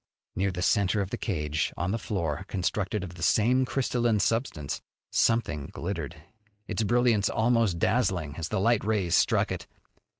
Near the center of the cage, on the floor constructed of the same crystalline substance, something glittered, its brilliance almost dazzling as the light rays struck it.